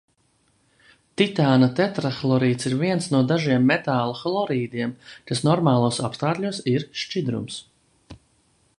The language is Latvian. Titāna tetrahlorīds ir viens no dažiem metālu hlorīdiem, kas normālos apstākļos ir šķidrums.